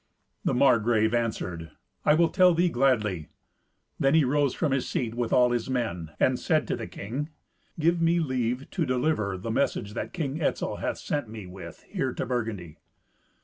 The Margrave answered, "I will tell thee gladly." Then he rose from his seat with all his men, and said to the king, "Give me leave to deliver the message that King Etzel hath sent me with, here to Burgundy."